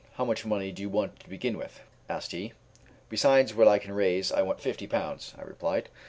How much money do you want to begin with?" asked he. "Besides what I can raise I want fifty pounds," I replied.